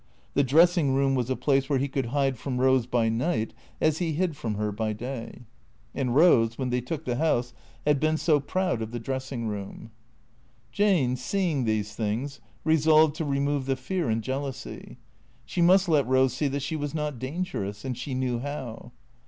The dressing room was a place where he could hide from Eose by night as he hid from her by day. THE CREATORS 301 And Rose, when they took the house, had been so proud of the dressing room. Jane, seeing these things, resolved to remove the fear and jealousy. She must let Rose see that she was not dangerous; and she knew how.